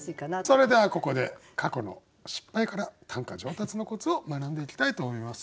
それではここで過去の失敗から短歌上達のコツを学んでいきたいと思います。